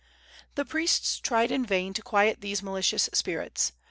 The priests tried in vain to quiet these malicious spirits.